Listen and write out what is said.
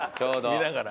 見ながら。